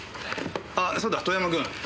あっそうだ遠山君。